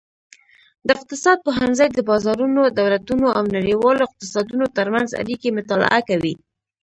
د اقتصاد پوهنځی د بازارونو، دولتونو او نړیوالو اقتصادونو ترمنځ اړیکې مطالعه کوي.